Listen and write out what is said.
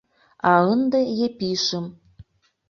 А ынде Епишым...